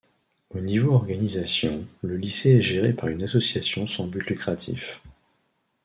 Au niveau organisation, le lycée est géré par une association sans but lucratif.